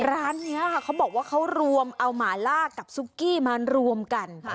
ร้านนี้ค่ะเขาบอกว่าเขารวมเอาหมาล่ากับซุกกี้มารวมกัน